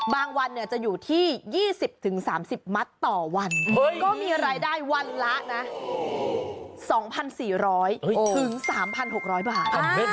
วันจะอยู่ที่๒๐๓๐มัตต์ต่อวันก็มีรายได้วันละนะ๒๔๐๐๓๖๐๐บาท